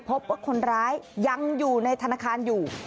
พบว่าคนร้ายยังอยู่ในธนาคารอยู่